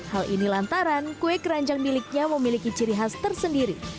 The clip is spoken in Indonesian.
hal ini lantaran kue keranjang miliknya memiliki ciri khas tersendiri